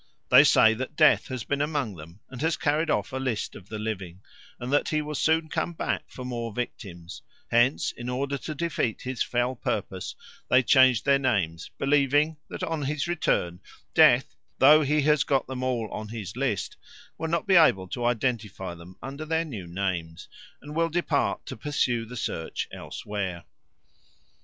They say that Death has been among them and has carried off a list of the living, and that he will soon come back for more victims; hence in order to defeat his fell purpose they change their names, believing that on his return Death, though he has got them all on his list, will not be able to identify them under their new names, and will depart to pursue the search elsewhere.